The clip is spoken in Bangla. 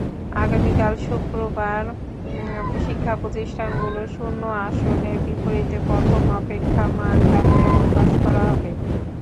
আগামীকাল শুক্রবার শিক্ষাপ্রতিষ্ঠানগুলোর শূন্য আসনের বিপরীতে প্রথম অপেক্ষমাণ তালিকা প্রকাশ করা হবে।